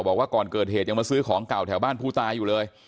บอกว่าก่อนเกิดเหตุยังมาซื้อของเก่าแถวบ้านผู้ตายอยู่เลย